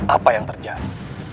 apa yang terjadi